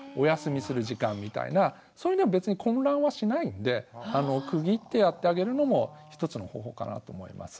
それでも別に混乱はしないんで区切ってやってあげるのも一つの方法かなと思います。